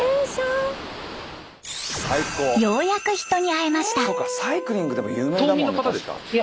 ようやく人に会えました。